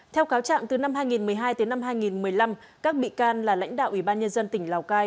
theo cáo trạng từ năm hai nghìn một mươi hai đến năm hai nghìn một mươi năm các bị can là lãnh đạo ủy ban nhân dân tỉnh lào cai